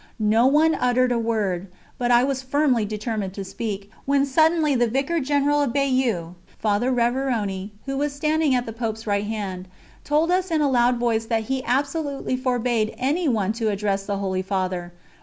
No one uttered a word, but I was firmly determined to speak, when suddenly the Vicar General of Bayeux, Father Révérony, who was standing at the Pope's right hand, told us in a loud voice that he absolutely forbade anyone to address the Holy Father.